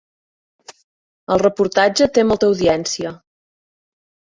El reportatge té molta audiència.